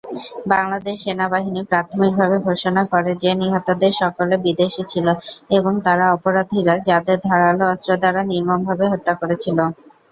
বাংলাদেশ সেনাবাহিনী প্রাথমিকভাবে ঘোষণা করে যে নিহতদের সকলে বিদেশী ছিল, এবং তারা অপরাধীরা যাদের "ধারালো অস্ত্র দ্বারা নির্মমভাবে হত্যা করেছিল"।